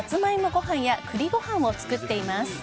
ご飯や栗ご飯を作っています。